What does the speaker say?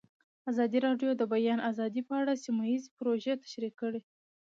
ازادي راډیو د د بیان آزادي په اړه سیمه ییزې پروژې تشریح کړې.